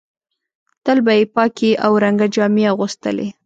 تل به یې پاکې او رنګه جامې اغوستلې.